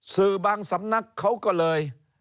สื่อบางสำนักเขาก็เลย